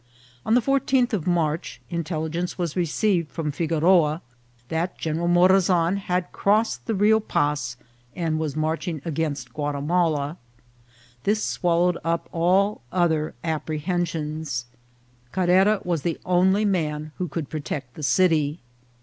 On the fourteenth of March intelli gence was received from Figoroa that General Mora zan had crossed the Rio Paz and was marching against Guatimala. This swallowed up all other apprehensions. Carrera was the only man who could protect the city.